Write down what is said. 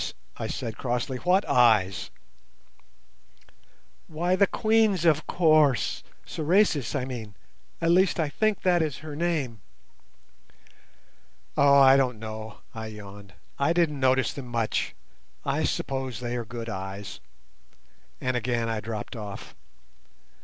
I said, crossly; "what eyes?" "Why, the Queen's, of course! Sorais, I mean—at least I think that is her name." "Oh, I don't know," I yawned; "I didn't notice them much: I suppose they are good eyes," and again I dropped off.